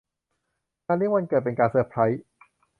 งานเลี้ยงวันเกิดเป็นการเซอร์ไพรส์